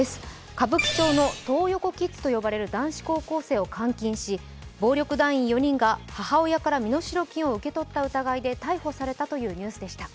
歌舞伎町のトー横キッズと呼ばれる男子高校生を監禁し、暴力団員４人が母親から身代金を受け取って逮捕されたというニュースでした。